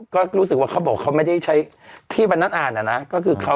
ก็รู้สึกว่าเขาบอกเขาไม่ได้ใช้ที่วันนั้นอ่านอะนะก็คือเขา